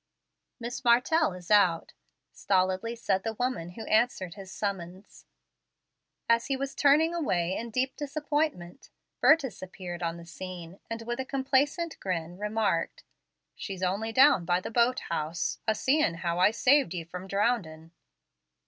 "Miss Martell is out," stolidly said the woman who answered his summons. As he was turning away in deep disappointment, Burtis appeared on the scene, and with a complacent grin, remarked, "She's only down by the boat house, a seein' howl saved ye from drownding."